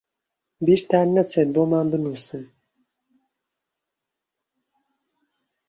بیرتان نەچێت بۆمان بنووسن.